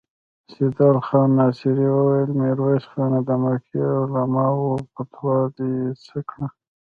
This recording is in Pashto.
سيدال خان ناصري وويل: ميرويس خانه! د مکې د علماوو فتوا دې څه کړه؟